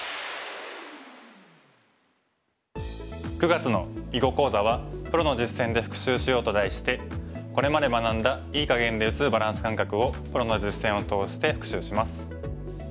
９月の囲碁講座は「プロの実戦で復習しよう」と題してこれまで学んだ“いい”かげんで打つバランス感覚をプロの実戦を通して復習します。